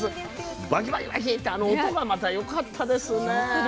バキバキバキってあの音がまたよかったですね。